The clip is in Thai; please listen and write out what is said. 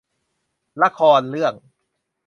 ละครเรื่อง